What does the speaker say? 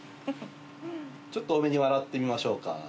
ちょっと多めに笑ってみましょうか。